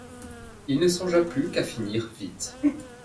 Il ne songea plus qu’à finir vite.